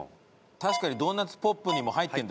確かにドーナツポップにも入ってるんだよね。